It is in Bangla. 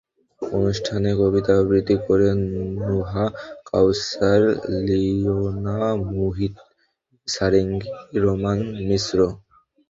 অনুষ্ঠানে কবিতা আবৃত্তি করে নুহা কাওসার, লিওনা মুহিত, সারেঙ্গি রোমান মিশ্র।